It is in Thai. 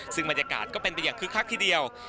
ซึ่งบรรยากาศก็เป็นไปอย่างคึกคักทีเดียว